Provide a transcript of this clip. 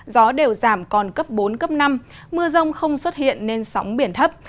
gió đều giảm còn cấp bốn cấp năm mưa rông không xuất hiện nên sóng biển thấp